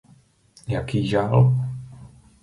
Jaký žal?